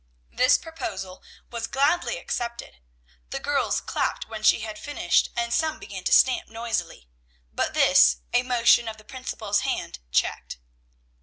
This proposal was gladly accepted. The girls clapped when she had finished, and some began to stamp noisily, but this a motion of the principal's hand checked.